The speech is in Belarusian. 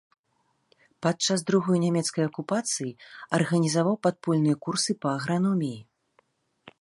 Падчас другой нямецкай акупацыі, арганізаваў падпольныя курсы па аграноміі.